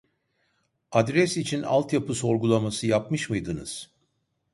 Adres için alt yapı sorgulaması yapmış mıydınız ?